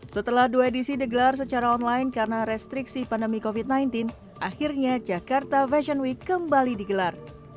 setelah dua edisi digelar secara online karena restriksi pandemi covid sembilan belas akhirnya jakarta fashion week kembali digelar